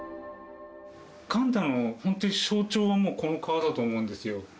寛太の本当、象徴はもう、この顔だと思うんですよ。